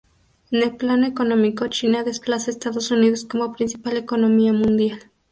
En el plano económico, China desplaza a Estados Unidos como principal economía mundial.